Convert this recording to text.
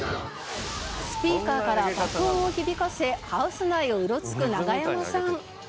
スピーカーから爆音を響かせハウス内をうろつくナガヤマさん。